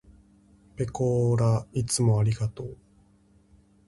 ぺこーらいつもありがとう。